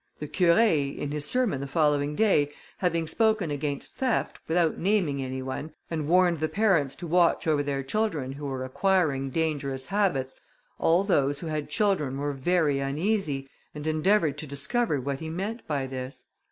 The Curé, in his sermon the following day, having spoken against theft, without naming any one, and warned the parents to watch over their children who were acquiring dangerous habits, all those who had children were very uneasy, and endeavoured to discover what he meant by this.